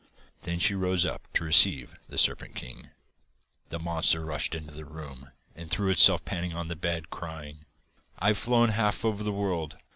Then she rose up to receive the Serpent King. The monster rushed into the room, and threw itself panting on the bed, crying: 'I've flown half over the world.